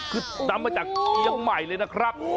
คือตั้งมาจากเกียรติใหม่เลยนะครับ